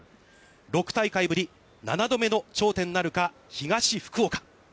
６大会ぶり、７度目の頂点なるか、東福岡。